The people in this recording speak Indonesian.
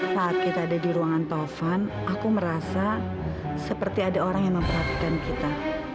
saat kita ada di ruangan taufan aku merasa seperti ada orang yang memperhatikan kita